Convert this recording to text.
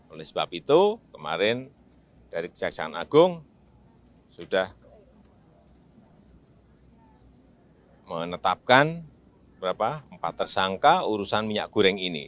oleh sebab itu kemarin dari kejaksaan agung sudah menetapkan empat tersangka urusan minyak goreng ini